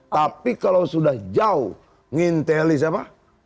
tapi kalau sudah jauh nginteli siapa